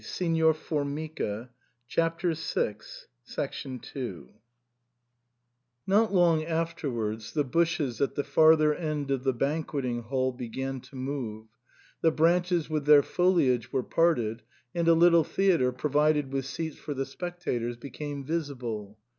SIGN OR FORMICA. 159 Not long afterwards the bushes at the farther end of the banqueting hall began to move, the branches with their foliage were parted, and a little theatre provided with seats for the spectators became visible.